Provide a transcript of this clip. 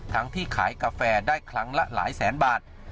ที่ขายกาแฟได้ครั้งละหลายแสนบาท